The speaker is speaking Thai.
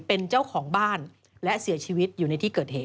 ซึ่งตอน๕โมง๔๕นะฮะทางหน่วยซิวได้มีการยุติการค้นหาที่